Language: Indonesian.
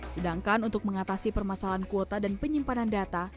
sedangkan untuk mengatasi permasalahan kuota dan penyimpanan data